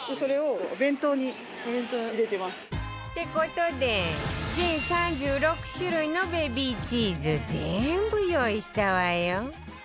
って事で全３６種類のベビーチーズ全部用意したわよ